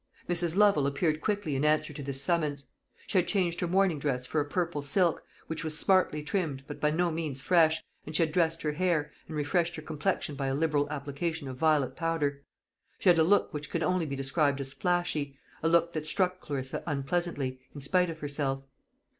Mrs. Lovel appeared quickly in answer to this summons. She had changed her morning dress for a purple silk, which was smartly trimmed, but by no means fresh, and she had dressed her hair, and refreshed her complexion by a liberal application of violet powder. She had a look which can only be described as "flashy" a look that struck Clarissa unpleasantly, in spite of herself.